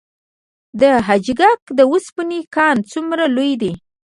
د حاجي ګک د وسپنې کان څومره لوی دی؟